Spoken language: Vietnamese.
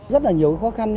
rất là nhiều khó khăn